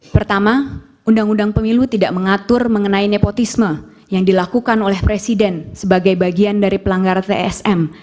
pertama undang undang pemilu tidak mengatur mengenai nepotisme yang dilakukan oleh presiden sebagai bagian dari pelanggaran tsm